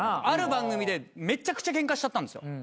ある番組でめちゃくちゃケンカしちゃったんですよ。